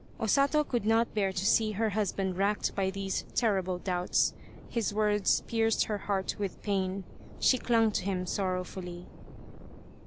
O Sato could not bear to see her husband racked by these terrible doubts. His words pierced her heart with pain. She clung to him sorrowfully.